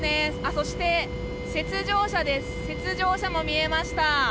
そして、雪上車も見えました。